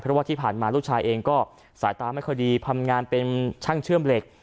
เพราะว่าที่ผ่านมาลูกชายเองก็สายตาไม่ค่อยดีทำงานเป็นช่างเชื่อมเหล็ก